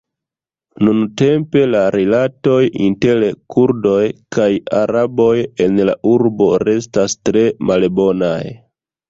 Nuntempe la rilatoj inter Kurdoj kaj Araboj en la urbo restas tre malbonaj.